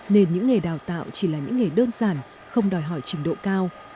nên những nghề đào tạo chỉ là những nghề đơn giản không đòi hỏi trình độ cao